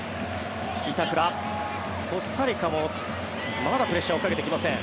コスタリカもまだプレッシャーをかけてきません。